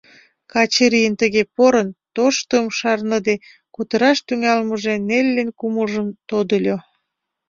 Качырийын тыге порын, тоштым шарныде, кутыраш тӱҥалмыже Неллин кумылжым тодыльо.